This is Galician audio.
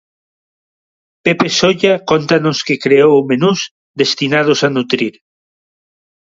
Pepe Solla cóntanos que creou menús destinados a nutrir.